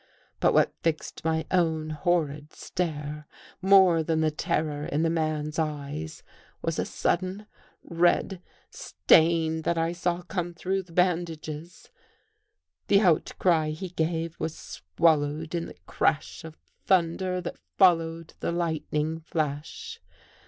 But what fixed my own horrified stare more than the terror in the man's eyes, was a sudden red stain that I saw come through the bandages. The outcry he gave was swallowed in the crash of thunder that followed the lightning flash.